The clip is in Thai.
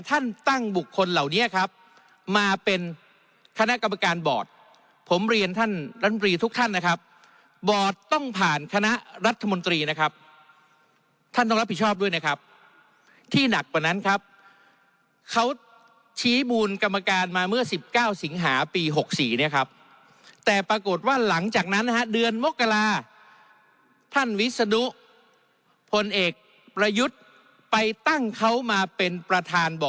ท่านตั้งบุคคลเหล่านี้ครับมาเป็นคณะกรรมการบอร์ดผมเรียนท่านรัฐมนตรีทุกท่านนะครับบอร์ดต้องผ่านคณะรัฐมนตรีนะครับท่านต้องรับผิดชอบด้วยนะครับที่หนักกว่านั้นครับเขาชี้มูลกรรมการมาเมื่อ๑๙สิงหาปี๖๔เนี่ยครับแต่ปรากฏว่าหลังจากนั้นนะฮะเดือนมกราท่านวิศนุพลเอกประยุทธ์ไปตั้งเขามาเป็นประธานบ